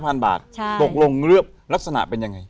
พันบาทตกลงเลือกลักษณะเป็นยังไง